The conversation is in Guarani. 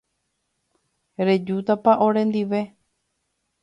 Rejútapa orendive.